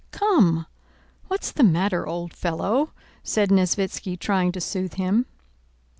"Come, what's the matter, old fellow?" said Nesvítski trying to soothe him.